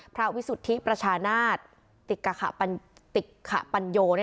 พระวิสุทธิประชานาศติกขะปัญโย